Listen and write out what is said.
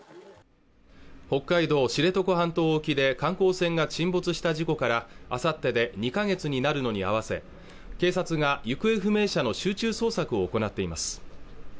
北海道知床半島沖で観光船が沈没した事故からあさってで２ヶ月になるのに合わせ警察が行方不明者の集中捜索を行っています